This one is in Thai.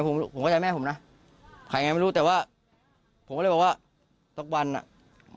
ผมผมเข้าใจแม่ผมนะใครไงไม่รู้แต่ว่าผมก็เลยบอกว่าสักวันอ่ะ